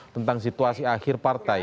tentang situasi akhir partai